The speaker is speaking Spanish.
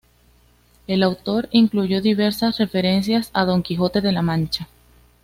El autor incluyó diversas referencias a "Don Quijote de la Mancha".